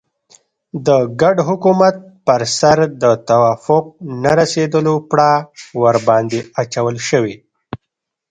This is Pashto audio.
د ګډ حکومت پر سر د توافق نه رسېدلو پړه ورباندې اچول شوې.